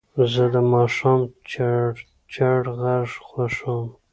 زه د ماښام چړچړ غږ خوښوم.